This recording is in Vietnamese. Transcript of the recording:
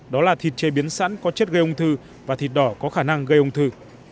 đó là thịt chế biến sẵn có chất gây ung thư và thịt đỏ có khả năng gây ung thư